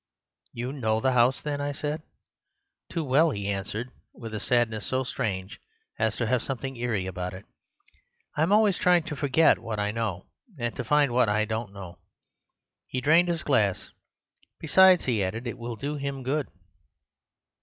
"'You know the house, then?' I said. "'Too well,' he answered, with a sadness so strange as to have something eerie about it. 'I am always trying to forget what I know— and to find what I don't know.' He drained his glass. 'Besides,' he added, 'it will do him good.